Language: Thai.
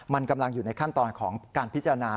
มันกำลังอยู่ในขั้นตอนของการพิจารณา